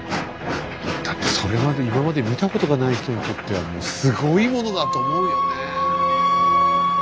だってそれまで今まで見たことがない人にとってはもうすごいものだと思うよね。